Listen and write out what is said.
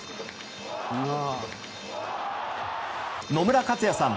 野村克也さん